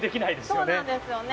そうなんですよね。